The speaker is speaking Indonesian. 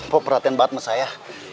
kok perhatian banget sama saya